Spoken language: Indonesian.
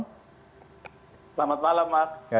selamat malam pak